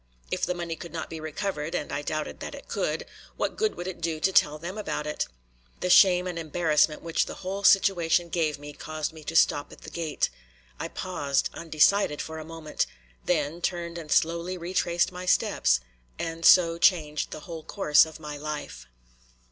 If the money could not be recovered, and I doubted that it could, what good would it do to tell them about it? The shame and embarrassment which the whole situation gave me caused me to stop at the gate. I paused, undecided, for a moment; then, turned and slowly retraced my steps, and so changed the whole course of my life.